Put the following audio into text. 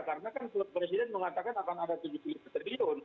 karena kan presiden mengatakan akan ada tujuh triliun